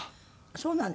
そうなんですか。